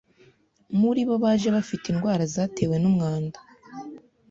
muri bo baje bafite indwara zatewe n’umwanda